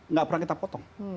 nggak pernah kita potong